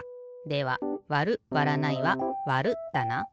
ではわるわらないはわるだな。